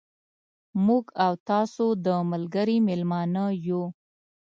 موږ او تاسو د ملګري مېلمانه یو.